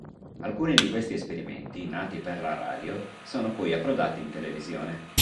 Alcuni di questi esperimenti, nati per la radio, sono poi approdati in televisione.